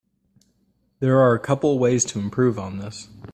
There are a couple ways to improve on this.